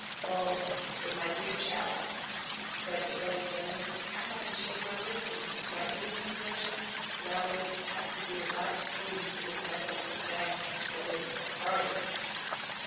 "Oh, but my dear child!" cried the bunny gentleman. "I haven't shaved my whiskers, my ears need brushing, and I would have to do lots of things to make myself look nice and ready for a party!"